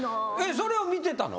それを見てたの？